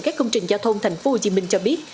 các công trình giao thông thành phố hồ chí minh cho biết